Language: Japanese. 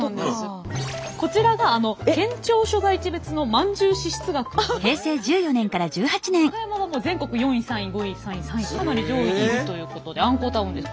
こちらが県庁所在地別のまんじゅう支出額なんですけども岡山はもう全国４位３位５位３位３位かなり上位にいるということであんこタウンです。